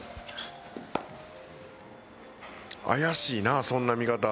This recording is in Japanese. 怪しいなそんな見方。